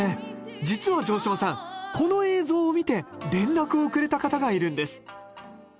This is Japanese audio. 実は城島さんこの映像を見て連絡をくれた方がいるんです